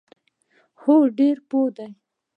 هو، ډیر پوه دي